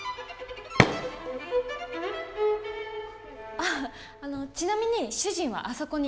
あっあのちなみに主人はあそこに。